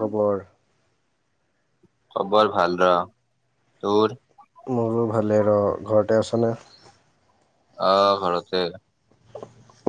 খবৰ। খবৰ ভাল ৰ তোৰ। মোৰো ভালে ৰ ঘৰতে আছনে? আহ ঘৰতে।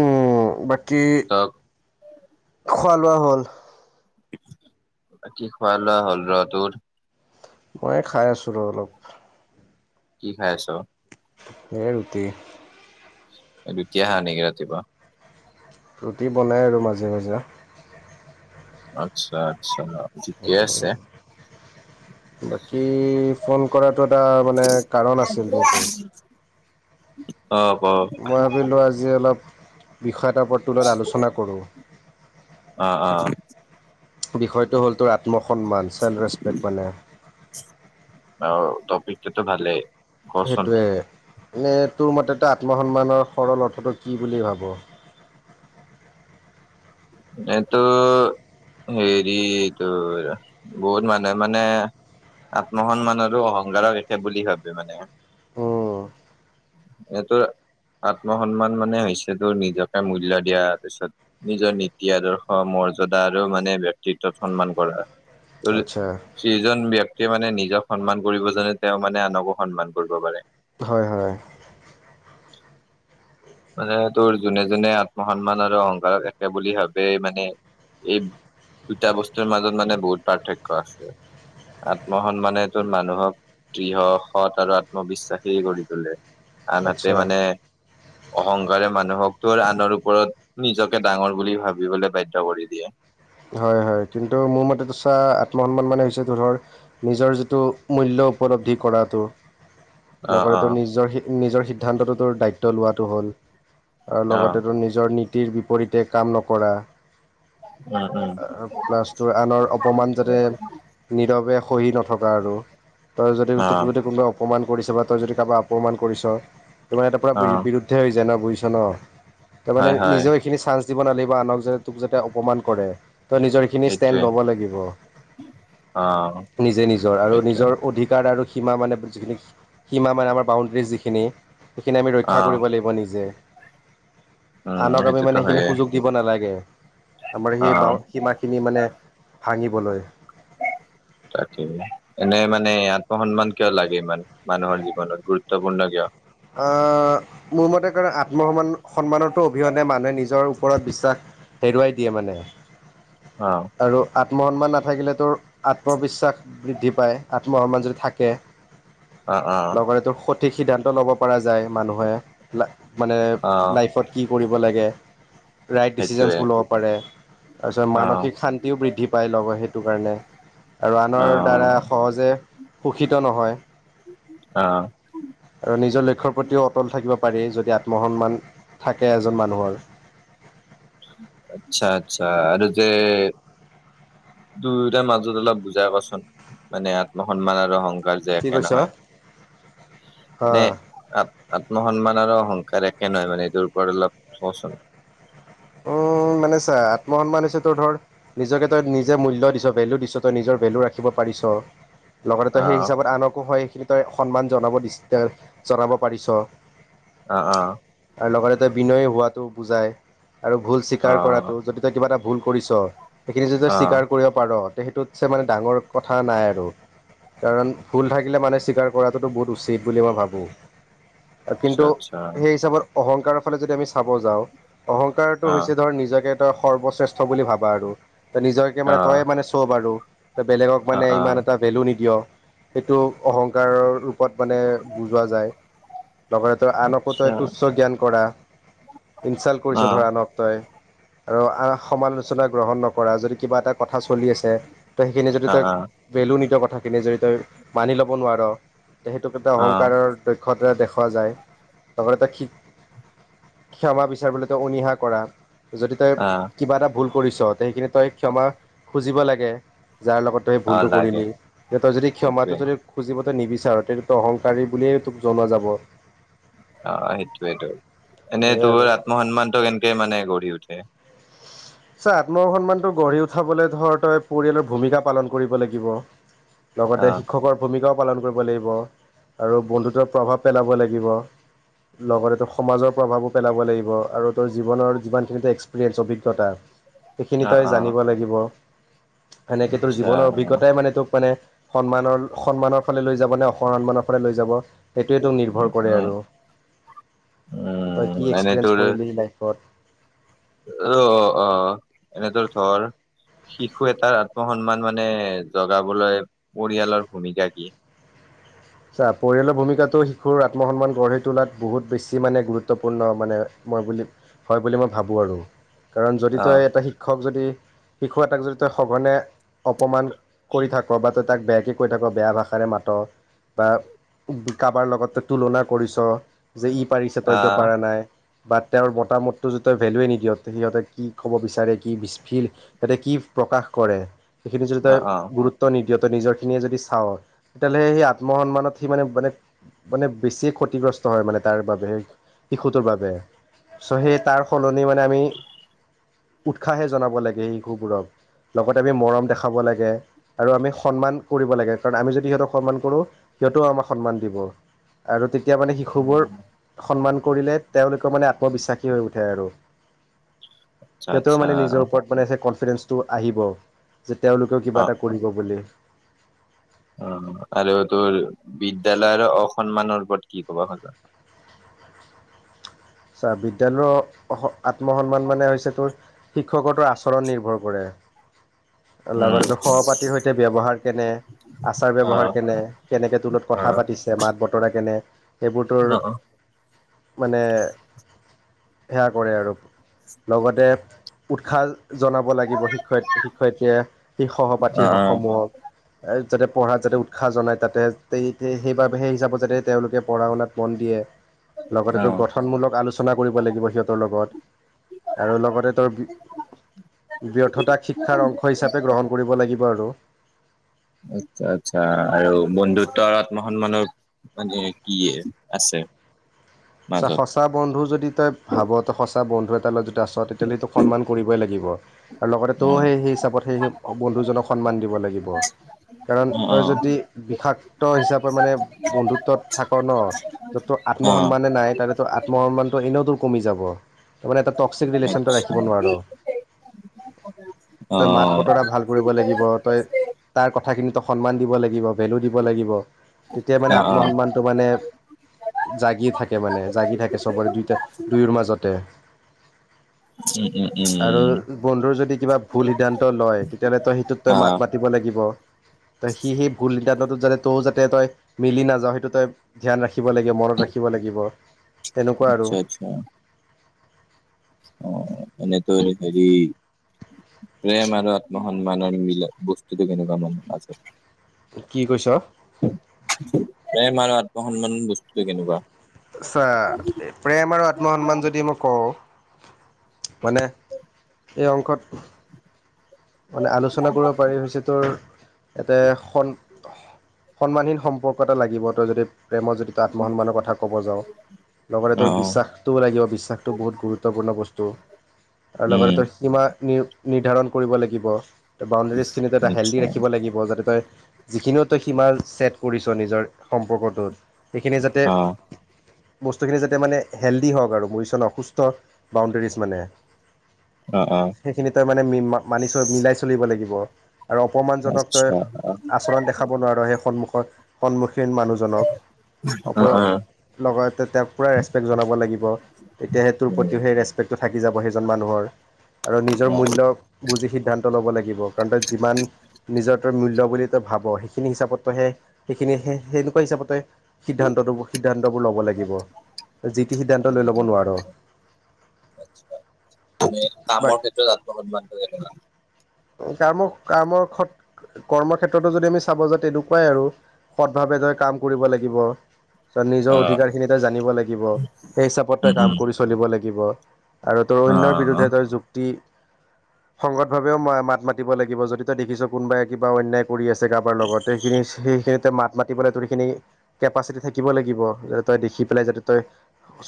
উম বাকী তই খোৱা লোৱা হ'ল। বাকি খোৱা লোৱা হ'ল ৰ তোৰ। মই খাই আছোঁ ৰ অলপ। কি খাইছ? এই ৰুটি দুতিয়া হা নেকি ৰাতিপুৱা ৰুটি বনাই আৰু মাজে মাজে আচ্ছা! আচ্ছা! ঠিকে আছে। বাকী ফোন কৰাটো এটা মানে কাৰণ আছিল মোৰতো উম মই ভাবিলো আজি অলপ বিষয় এটাৰ ওপৰত তুলাত আলোচনা কৰোঁ। অ বিষয়টো হ'ল তোৰ আত্মসন্মান চেল্ফ ৰেচপেক্ট মানে অ দপিক তটো টো ভালেই। কচোন সেইটোৱে। এনে তোৰ মতে আত্মসন্মানৰ সৰল অৰ্থটো কি বুলি ভাব? এই টো। হেৰিটো ৰ বহুত মানে মানে। আত্মসন্মান আৰু অহংকাৰক একে বুলি ভাবে মানে। উম এটো। আত্ম সন্মান মানে হৈছে তোৰ নিজকে মূল্য দিয়াৰ পিছত নিজৰ নি দ আাদৰ্শ মৰ্যদা আৰু মানে ব্যক্তিত্বত সন্মান কৰা। আচ্ছা চিজজন এক মানে নিজক সন্মান কৰিব জাননে তেওঁ মানে আনকো সন্মান কৰিব পাৰে। হয় হয়। মানে তোৰ যোনে যোনে আত্ম সন্মান আৰু অহংকাৰক একে বুলি ভাবেই মানে। এই দুটা বস্তুৰ মাজত মানে বহুত পাৰ্থক্য আছে। আত্ম সন্মানে ত মানুহক দৃঢ় সৎ আৰু আত্মবিশ্বাসী কৰি তোলে। আনহাতে আচ্ছা মানে। অহংকাৰে মানুহক তোৰ আনৰ ওপৰত নিজকে ডাঙৰ বুলি ভাবিবলৈ বাধ্য কৰি দিয়ে। হয় হয় কিন্তু মোৰ মতেটো চাহ আত্মসন্মান মানে হৈছে তোৰ ধৰ। নিজৰ যিটো মূল্য উপলব্ধি কৰাটো অ', লগতে অ', নিজৰ। নিজৰ সিদ্ধান্তটোতোৰ দায়িত্ব লোৱাটো হ'ল আৰু অ', লগতে তোৰ নিজৰ। বিপৰীতে কাম নকৰা, উম! উম! প্লাছটোৰ আনৰ অপমান যাতে নীৰৱে সহি নথকা আৰু তাৰ যদি অ', যদি কোনোবা। অপমান কৰিছ বা তই যদি কাৰোবাক অপমান কৰিছ তো মাৰে এটা পুৰা অ', বিৰুদ্ধে হৈ যায় ন বুজিছ ন। তাৰ মানে হয়, হয়। নিজেও এইখিনি চান্স দিব নালাগিব আনক যাতে তোক যাতে অপমান কৰে। ত' নিজৰখিনি ষ্টেণ্ড সেইটোৱে ল'ব লাগিব। অ', নিজে নিজৰ আৰু সেইটোৱে নিজৰ অধিকাৰ আৰু সীমা মানে যিখিনি সীমা মানে আমাৰ বাউণ্ডৰী যিখিনি সেইখিনি আমি ৰক্ষা অ', কৰিব লাগিব নিজে উম, আনক আমি সেইটোতো মানে সেইখিনি হয়ে। সুযোগ দিব নালাগে আমাৰ অ সেই বাও ণ্ডাৰী মানে ভাঙিবলৈ তাকেই এনে মানে আত্মসন্মান কিয় লাগে ইমান মানুহৰ জীৱনত গুৰুত্বপূৰ্ণ কিয়? অহ মোৰ মতে কাৰ আত্মসন্মান সন্মানো অবিহনে মানুহে নিজৰ ওপৰত বিশ্বাস হেৰুৱাই দিয়ে মানে অ আৰু আত আত্মসন্মান নাথাকিলে তোৰ আত্মবিশ্বাস বৃদ্ধি পায় আত্মসন্মান যদি থাকে অ অ লগতে এটো সঠিক সিদ্ধান্ত ল'ব পৰা যায় মানুহে মানে অ লাইফত কি কৰিব লাগে ৰাইট সেইটোৱে ডিচিশনছবোৰ ল'ব পাৰে। তাৰপিছত অ মানসিক শান্তিও বৃদ্ধি পায় লগৰ সেইটো কাৰণে আৰু অ আনৰ দ্বাৰা সহজে শোষিত নহয়। অ আৰু নিজৰ লক্ষ্যৰ প্ৰতিও অটল থাকিব পাৰি যদি আত্মসন্মান থাকে এজন মানুহৰ আচ্ছা আচ্ছা আৰু যে দুয়োটাৰ মাজত অলপ বুজাই কচোন মানে আত্মসন্মান আৰু সং। যে কি একে কৈছ নহয় হা নে আ আত্মসন্মান আৰু অহংকাৰ একে নহয় মানে এইটোৰ ওপৰত অলপ কচোন অ। মানে চা আত্মসন্মান হৈছে তোৰ ধৰ নিজকে তই নিজে মূল্য দিছ ভেলু দিছ তই নিজৰ ভেলু ৰাখিব পাৰি পিছ লগতে তই অ সেই হিচাপত আনকো হয় সেইখিনি তই সন্মান জনাব দিছ জনাব পাৰিছ অ অ আৰু লগতে তই বিনয় হোৱাটো বুজাই আৰু ভুল অ স্বীকাৰ কৰাটো যদি তই কিবা এটা ভুল কৰিছ সেইখিনি যদি অ স্বীকাৰ কৰিব পাৰ ত সেইটোতছে মানে ডাঙৰ কথা নাই আৰু কাৰণ ভুল থাকিলে মানে স্বীকাৰ কৰাটোতো বহুত উচিত বুলি মই ভাবো আচ্ছা কিন্তু আচ্ছা সেই হিচাপত অহংকাৰৰ ফালে যদি আমি চাব যাওঁ অহংকাৰ কাৰটো অ হৈছে ধৰ নিজকে তই সৰ্বশ্ৰেষ্ঠ বুলি ভাবা আৰু ত নিজকে অ মানে তইয়ে মানে চব আৰু ত বেলেগক অ মানে অ ইমান এটা ভেলু নিদিয় সেইটো অহংকাৰৰ ৰূপত মানে বুজোৱা যায়। লগতে তই আনকো তই আচ্ছা তুচ্ছ জ্ঞান কৰা ইনচাল্ট কৰিছ অ ধৰা আনক তই আৰু আ সমালোচনা গ্ৰহণ নকৰা যদি কিবা এটা কথা চলি আছে তো সেইখিনি যদি অ তই অ ভেলু নিদিয় কথা কথাখিনি যদি তই মানি ল'ব নোৱাৰ সেইটোক এটা অহংকাৰৰ দক্ষতাৰে দেখুওৱা যায়। লগতে তই ক্ষমা বিচাৰিবলৈ তই অনীহা কৰা যদি তই অ অ কিবা এটা ভুল কৰিছ ত সেইখিনি তই ক্ষমা খুজিব লাগে। যাৰ লগত তই সেই অ ভুলটো লাগে কৰিলি তই যদি ক্ষমাটো সেইটোৱে যদি খুজিব নিবিচাৰো তেতিয়াতো অহংকাৰী বুলিয়েই তোক জনা যাব। অ সেইটোয়েইটো এনেই সেয়াই আৰু তোৰ আত্মসন্মানটো কেনে মানে গঢ়ি উঠে। চা আত্মসন্মানটো গঢ়ি উঠাবলৈ ধৰ তই পৰিয়ালৰ ভূমিকা পালন কৰিব লাগিব। অ লগতে শিক্ষকৰ ভূমিকাও পালন কৰিব লাগিব আৰু বন্ধুত্বৰ প্ৰভাৱ পেলাব লাগিব। লগতে তোৰ সমাজৰ প্ৰভাৱো পেলাব লাগিব আৰু তোৰ জীৱনৰ যিমানখিনি এক্সপিৰিয়েঞ্চ অভিজ্ঞতা সেইখিনি অ তই অ জানিব লাগিব। সেনেকে তোৰ আচ্ছা জীৱনৰ অভিজ্ঞতাই মানে তোক মানে সন্মানৰ সন্মানৰ ফালে লৈ যাব নে অসন্মানৰ ফালে লৈ যাব সেইটোৱেতো নিৰ্ভৰ কৰে উম আৰু তই উম কি এনে এক্সপিৰিয়েঞ্চ তোৰ কৰিলিহি লাইফত অ অ অ এনে ধৰ শিশু এটাৰ আত্মসন্মান মানে জগাবলৈ পৰিয়ালৰ ভূমিকা কি? [inaudible] চা পৰিয়ালৰ ভূমিকাটো শিশুৰ আত্মসন্মান গঢ়ি তোলাত বহুত বেছি মানে গুৰুত্বপূৰ্ণ মানে মই বুলি হয় বুলি মই ভাবোঁ আৰু কাৰণ যদি অ তই এটা শিক্ষক যদি শিশু এটাক যদি তই সঘনে অপমান কৰি থাক বা তই তাক বেয়াকে কৈ থাক বেয়া ভাষাৰে মাত বা কাৰোবাৰ লগতে তুলনা কৰিছ যে ই পাৰিছ তই কিয় আহ পাৰা নাই বা তেওঁৰ মতামতটো য তেওঁ ভেলুৱে নিদিয় সিহঁতে কি ক'ব বিচাৰে কি সিহঁতে কি প্ৰকাশ কৰে সেইখিনি যদি অ তই অ গুৰুত্ব নিদিয় তই নিজৰখিনিয়ে যদি চা তেতিয়াহ'লে সেই আত্ম সন্মানত সি মানে মানে- মানে বেছি ক্ষতিগ্ৰস্ত হয় মানে তাৰ বাবে সেই শিশুটোৰ বাবে চ' সেই তাৰ সলনি মানে আমি উৎসাহে জনাব লাগে শিশুবোৰক লগতে আমি মৰম দেখাব লাগে আৰু আমি সন্মান কৰিব লাগে কাৰণ আমি যদি সিহঁতক সন্মান কৰো। সিহঁতেও আমাক সন্মান দিব আৰু তেতিয়া মানে শিশুবোৰ সন্মান কৰিলে তেওঁলোকৰ মানে আত্মবিশ্বাসী হৈ উঠে আৰু আচ্ছা সিহঁতেও আচ্ছা মানে নিজৰ ওপৰত মানেই কনফিডেন্ঞ্চটো আহিব। যে তেওঁলোকেও কিবা অ এটা কৰিব বুলি। অ আৰু তোৰ বিদ্যালয়ৰ অসন্মানৰ ওপৰত কি কবা খোজা ছাৰ বিদ্যালয়ৰ আত্মসন্মান মানে হৈছে তোৰ- শিক্ষকতৰ আচৰণ নিৰ্ভৰ কৰে। উম লগতে সহ পাতিৰ সৈতে ব্যৱহাৰ কেনে? আচাৰ অ ব্যৱহাৰ কেনে কেনেকৈ তোৰ লগত অ কথা অ পাতিছে মাত বতৰা কেনে? সেইবোৰতৰ মানে সেয়া কৰে আৰু লগতে উৎসাহ জনাব লাগিব শিক্ষয় শিক্ষয়িত্ৰীয়ে শ অ সহপাঠী সমূহক আ যাতে পঢ়াত যাতে উৎসাহ জনায় তাতে সেইবাবে সেই হিচাপত যাতে তেওঁলোকে পঢ়া শুনাত মন দিয়ে। অ লগতে অ গঠনমূলক আলোচনা কৰিব লাগিব সিহঁতৰ লগত আৰু লগতে তোৰ ব্যৰ্থতা শিক্ষাৰ অংশ হিচাপে গ্ৰহণ কৰিব লাগিব আৰু আচ্ছা আচ্ছা আৰু বন্ধুত্ব আৰত মহন মানুহ মানে কি আছে? ত মাজত সঁচা বন্ধু যদি তই ভাৱ তই সঁচা বন্ধু এটালৈ যদি আছ তেতিয়াহ'লে সেইটো সন্মান কৰিবই লাগিব। আৰু লগতে অ তয় সেই সেই হিচাপত সেই বন্ধুজনক সন্মান দিব লাগিব। কাৰণ অ তই যদি বিষাক্ত হিচাপে মানে বন্ধুত্বত থাক ন য'ত তোৰ অ আত্মসন্মানে নাই তটো আত্মসন্মানটো এনেও তোৰ কমি যাব। তাৰ মানে এটা টক্সিক ৰিলেশ্যনটো আচ্ছা ৰাখিব নোৱাৰোঁ। তই মাত বতৰা ভাল কৰিব লাগিব তই তাৰ কথাখিনিত তই সন্মান দিব লাগিব। ভেলু দিব লাগিব তেতিয়া মানে অ অ অ আত্মসন্মানটো মানে জাগি থাকে মানে জাগি থাকে চবৰে দুইটা দুয়ৰ মাজতে উম উম আৰু উম বন্ধুৰ যদি কিবা ভুল সিদ্ধান্ত লয় তেতিয়াহ'লে তই সেইটোত তই অ মাত মাতিব লাগিব ত সি সেই সিদ্ধান্তটো যাতে তো যাতে তই মিলি নাযাওঁ সেইটো তই ধ্যান ৰাখিব লাগিব মনত ৰাখিব লাগিব তেনেকুৱা আৰু। আচ্ছা আচ্ছা। অ এনেকৈ হেৰি প্ৰেম আৰু আত্মসন্মানৰ মিল বস্তুটো কেনেকুৱা মানে মাাজত কি কৈছ অ সন্মান মান বস্তু কেনেকুৱা আচ্ছা প্ৰেম আৰু আত্ম সন্মান যদি মই কওঁ মানে এই অংশত মানে আলোচনা কৰিব পাৰি হৈছে তোৰ এতে সন্মানহীন সম্পৰ্ক এটা লাগিব তই যদি প্ৰেমত যদি তই আত্মসন্মানৰ কথা ক'ব যায় লগতে তোৰ অ', অ', বিশ্বাসটোও লাগিব বিশ্বাসটো বহুত গুৰুত্বপূৰ্ণ বস্তু। আৰু লগতে উম, তোৰ সীমা নি নিৰ্ধাৰণ কৰিব লাগিব ত বাউণ্ডেৰী চিনএটা হেল্ডি আচ্ছা। ৰাখিব লাগিব যাতে তই যিখিনিও তই সীমা ছেট কৰিছ নিজৰ সম্পৰ্কটোত সেইখিনি যাতে অ', বস্তুখিনি যাতে মানে হেল্ডি হওঁক আৰু বুজি অসুস্থ বাউণ্ডেৰীজ মানে অ', অ', সেইখিনি তই মানে মানি মিলাই চলিব লাগিব আৰু অপমানজনক তই আচ্ছা। আচৰণ দেখাব নোৱাৰোঁ সেই সন্মুখত সন্মুখীন মানুহজনক অপ অহ। অহ লগতে তেওঁক পোৰা ৰেচপেক্ট জনাব লাগিব তেতিয়া সেইটোৰ প্ৰতিও অ', সেই ৰেচপেক্টটো থাকি যাব সেইজন মানুহৰ আৰু নিজৰ মূল্য [inaudible] বুজি সিদ্ধান্ত ল'ব লাগিব কাৰণ তই যিমান নিজৰ তই মূল্য বুলি তই ভাব সেইখিনি হিচাপতহে [unintelligible] সেইখিনি হে সেনেকুৱা হিচাপতে সিদ্ধান্তটো সিদ্ধান্তবোৰ ল'ব লাগিব যি টি সিদ্ধান্ত লৈ ল'ব নোৱাৰ। মানে বা কামৰ ক্ষেত্ৰত আত্মসন্মান ‌ [unintelligible] কামো কামো খত কৰ্মক্ষেত্ৰত‌ও যদি আমি চাব যাওঁ তেনেকুৱাই আৰু সৎভাৱে কাম কৰিব লাগিব তোৰ নিজৰ অ', অধিকাৰখিনিতো জানিব লাগিব সেই হিচাপত তই উম, কাম উম, কৰি চলিব লাগিব আৰু তোৰ অন্যৰ অ', বিৰুদ্ধে অ', তি সংগতভাৱেও মাত মাতিব লাগিব যদি তই দেখিছ কোনোবাই কিবা অন্যায় কৰি আছে কাৰোবাৰ লগত সেইখিনি সেইখিনিত তই মাত মাতিবলে তোৰ সেইখিনি কেপাচিটি থাকিব লাগিব যে তই দেখি পেলাই যাতে তই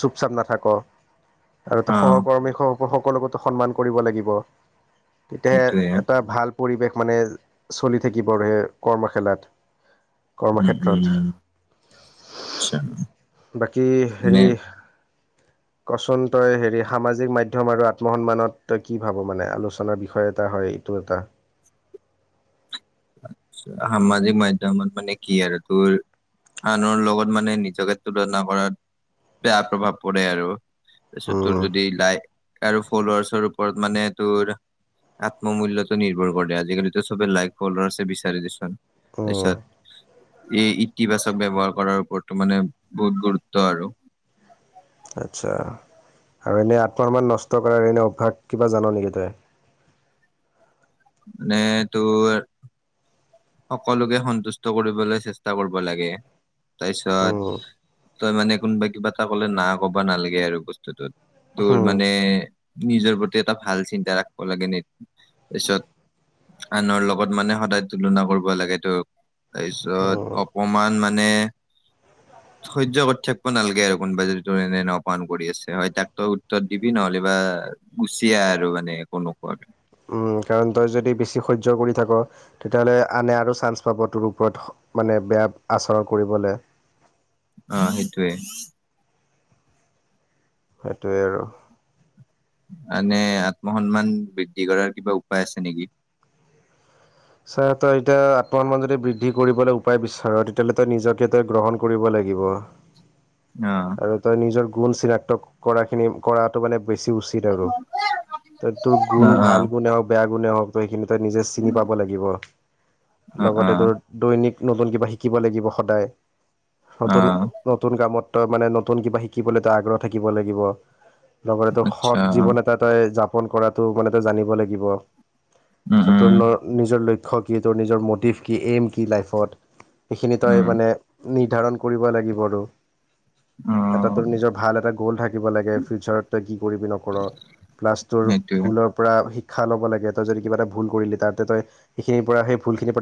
চুপ-চাপ নাথাক আৰু সহকৰ্মী সকলোকোতো সন্মান কৰিব লাগিব সেইটোয়ে তেতিয়াহে এটা ভাল পৰিৱেশ মানে চলি থাকিব আৰু সেই কৰ্ম খেলাত উম, উম। আচ্ছা, কৰ্মক্ষেত্ৰত বাকী মানে হেৰি কচোন তই হেৰি সামাজিক মাধ্যম আৰু আত্মসন্মানত তই কি ভাৱ মানে আলোচনাৰ বিষয়ে এটা হয় এইটো এটা সামাজিক মাধ্যমত মানে কি আৰু তোৰ আনৰ লগত মানে নিজকে তুলনা কৰাত বেয়া প্ৰভাৱ পৰে আৰু তাৰপিছত তোৰ উম যদি লাইফ আৰু ফল্লোৱেছ ওপৰত মানে তোৰ আত্মমূল্যত নিৰ্ভৰ কৰে আজিকালিতো চবেই লাইফ ফল্লৱাছে বিচাৰি দিচোন উম তাৰপিছত এই ইতিবাচক ব্যৱহাৰ কৰাৰ ওপৰত মানে বহুত গুৰুত্ব আৰু আচ্ছা আৰু এনে আত্মসন্মান নষ্ট কৰাৰ এনে অভ্যাস কিবা জান নেকি তই নে তোৰ সকলোকে সন্তুষ্ট কৰিবলৈ চেষ্টা কৰিব লাগে। উম তাৰপিছত তই মানে কোনোবা কিবা এটা কলে না কবা নালাগে আৰু বস্তুটোত তোৰ উম মানে নিজৰ প্ৰতি এটা ভাল চিন্তা ৰাখিব লাগে ন তাৰপিছত আনৰ লগত মানে সদায় তুলনা কৰিব লাগে তোক উম তাৰপিছত অপমান মানে [inaudible] [unintelligible] সহ্য কৰি থাকিব নালাগে আৰু কোনোবাই যদি তোৰ এনে অপমান কৰি আছে হয় তাক তই উত্তৰ দিবি নহলে বা গুচি আহা আৰু একো নোকোৱাকে কাৰণ তই যদি বেছি সহ্য কৰি থাক তেতিয়াহ'লে আনে আৰু চান্স পাব তোৰ ওপৰত মানে [unintelligible] বেয়া আচৰণ কৰিবলৈ। অ সেইটোৱেই। সেইটোৱেই আৰু আনে আত্মসন্মান বৃদ্ধি কৰাৰ কিবা উপায় আছে নেকি? ছাৰ তই এতিয়া আত্মসন্মান যদি বৃদ্ধি কৰিবলৈ উপায় বিচাৰ তেতিয়াহ'লে তই নিজকে তই গ্ৰহণ কৰিব লাগিব। অ আৰু তই নিজৰ গুণ চিনাক্ত কৰা খিনি কৰাটো মানে বেছি উচিত আৰু তই তোৰ গুণ অ অ ভাল গুণে হক বেয়া গুণে হওক সেইখিনি তই নিজে চিনি পাব লাগিব অ লগতে অ দৈনিক নতুন কিবা শিকিব লাগিব সদায়। অ নতুন নতুন কামত মানে নতুন কিবা শিকিবলৈতো আগ্ৰহ থাকিব লাগিব। লগতে তোৰ সৎ আচ্ছা জীৱন এটা তই যাপন কৰাটো মানে তই জানিব লাগিব। উম চ' তোৰ উম। নিজৰ লক্ষ্য কি? তোৰ নিজৰ মটিভ কি এইম কি লাইফত সেইখিনি তই উম মানে নিৰ্ধাৰণ কৰিব লাগিব আৰু অ এটা তোৰ নিজৰ ভাল এটা গ'ল্ড থাকিব লাগে। ফিউচাৰত তই কি কৰিবি নকৰ। প্লাছ টুৰ সেইটোয়ে ফুলৰ পৰা শ খা ল'ব লাগে তই যদি কিবা এটা ভুল কৰিলি তা তই সখিনিৰ পৰা সেই ভুল খিনি